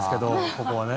ここはね。